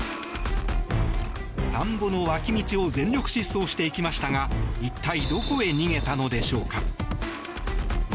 田んぼの脇道を全力疾走していきましたが一体どこへ逃げたのでしょうか。